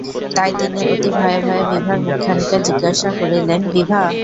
তাই তিনি অতি ভয়ে ভয়ে বিভার মুখখানিকে জিজ্ঞাসা করিলেন, বিভা?